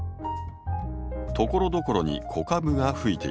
ところどころに子株がふいています。